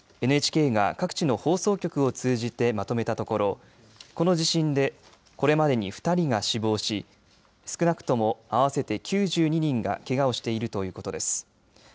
ＮＨＫが各地の放送局を通じてまとめたところこの地震でこれまでに２人が死亡し少なくとも合わせて９２人がけがをしているということです。